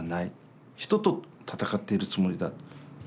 人と闘っているつもりだ。